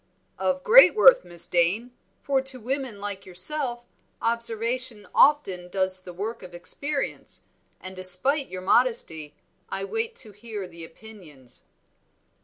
"Of great worth, Miss Dane; for to women like yourself observation often does the work of experience, and despite your modesty I wait to hear the opinions."